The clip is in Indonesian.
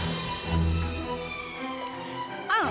pasti kamu belum cerita ya aini